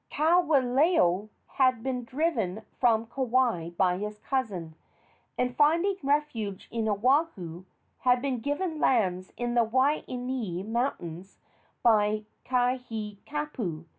Kawelo had been driven from Kauai by his cousin, and, finding refuge in Oahu, had been given lands in the Waianae Mountains by Kaihikapu.